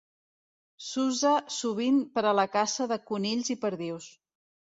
S'usa sovint per a la caça de conills i perdius.